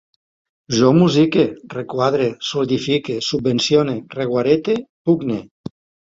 Jo musique, requadre, solidifique, subvencione, reguarete, pugne